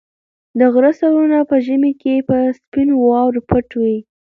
د غره سرونه په ژمي کې په سپینو واورو پټ وي.